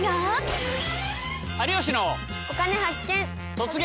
「突撃！